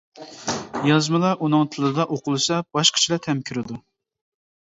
يازمىلار ئۇنىڭ تىلىدا ئوقۇلسا باشقىچىلا تەم كىرىدۇ.